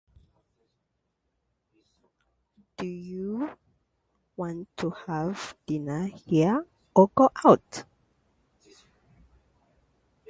Do you want to have dinner here or go out?